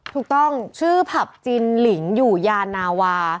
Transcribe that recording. ถูกต้องชื่อผับจินหลิงอยู่ยานาวา